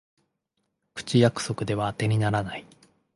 口約束ではあてにならない